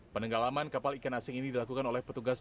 penenggalaman kapal ikan asing ini dilakukan oleh petugas